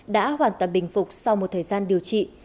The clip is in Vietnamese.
đã hoàn toàn bình phục sau một thời gian điều trị